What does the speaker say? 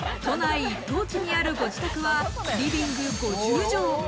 都内一等地にあるご自宅はリビング５０帖。